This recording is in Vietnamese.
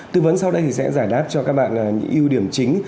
tư vấn sau đây sẽ giải đáp cho các bạn những ưu điểm chính